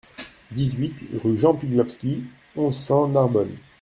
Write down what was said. dix-huit rue Jean Piglowski, onze, cent, Narbonne